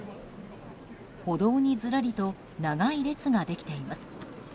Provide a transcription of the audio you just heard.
歩道に、ずらりと長い列ができています。